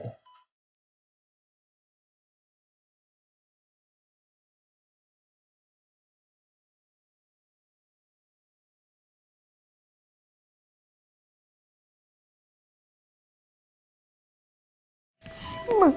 kamu pasti senang liat